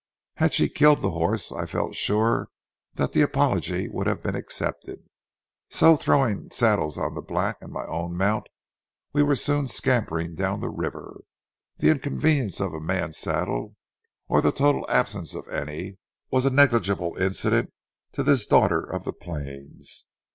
Had she killed the horse, I felt sure that the apology would have been accepted; so, throwing saddles on the black and my own mount, we were soon scampering down the river. The inconvenience of a man's saddle, or the total absence of any, was a negligible incident to this daughter of the plains.